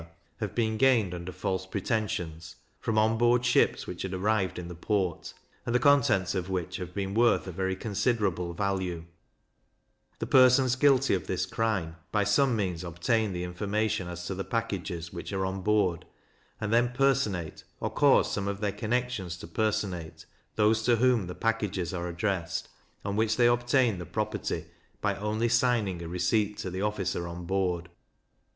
have been gained under false pretensions, from on board ships which had arrived in the port, and the contents of which have been worth a very considerable value: The persons guilty of this crime, by some means obtain the information as to the packages which are on board, and then personate, or cause some of their connexions to personate, those to whom the packages are addressed, on which they obtain the property by only signing a receipt to the officer on board.